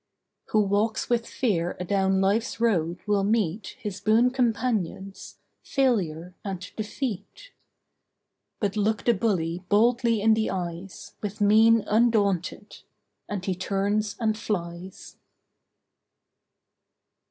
Who walks with Fear adown life's road will meet His boon companions, Failure and Defeat. But look the bully boldly in the eyes, With mien undaunted, and he turns and flies.